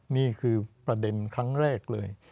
นี่คือประเด็นครั้งแรกเลย